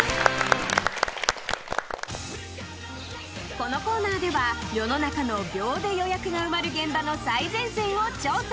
このコーナーでは世の中の秒で予約が埋まる現場の最前線を調査。